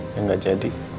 yang gak jadi